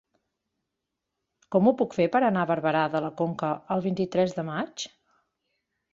Com ho puc fer per anar a Barberà de la Conca el vint-i-tres de maig?